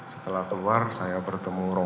setelah keluar saya bertemu dengan richard